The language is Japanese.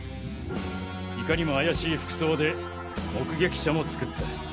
いかにも怪しい服装で目撃者も作った。